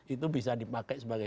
itu bisa dipakai sebagai